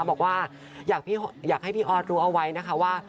บอกว่าอยากให้พี่ออสรู้เอาไว้นะคะว่า